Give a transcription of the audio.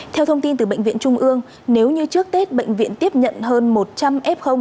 theo thông tin từ bệnh viện trung ương nếu như trước tết bệnh viện tiếp nhận hơn một trăm linh f